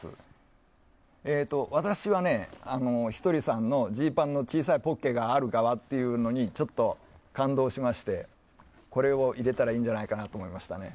私はひとりさんの、ジーパンの小さいポケットがある側にちょっと感動しましてこれを入れたらいいんじゃないかと思いましたね。